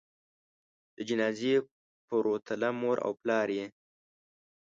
د جنازې پروتله؛ مور او پلار یې